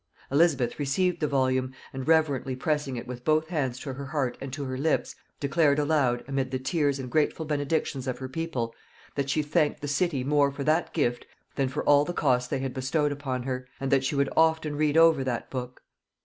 Elizabeth received the volume, and reverently pressing it with both hands to her heart and to her lips, declared aloud, amid the tears and grateful benedictions of her people, that she thanked the city more for that gift than for all the cost they had bestowed upon her, and that she would often read over that book.